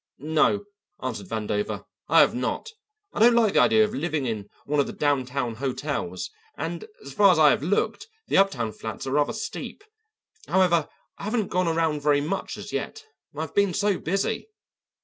"No," answered Vandover, "I have not. I don't like the idea of living in one of the downtown hotels, and as far as I have looked, the uptown flats are rather steep. However, I haven't gone around very much as yet. I've been so busy.